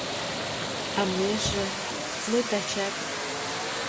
А мыйже, мый тачат